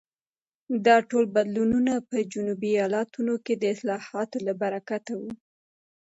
دا ټول بدلونونه په جنوبي ایالتونو کې د اصلاحاتو له برکته وو.